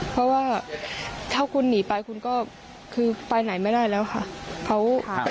เพราะว่าถ้าคุณหนีไปคุณก็คือไปไหนไม่ได้แล้วค่ะ